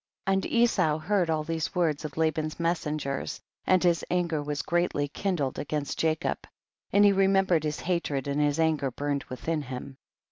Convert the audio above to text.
64. And Esau heard all the words of Laban's messengers, and his an ger was greatly kindled against Ja cob, and he remembered his hatred and his anger burned within him.